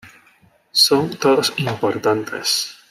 Son todos importantes.